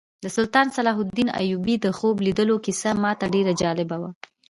د سلطان صلاح الدین ایوبي د خوب لیدلو کیسه ماته ډېره جالبه وه.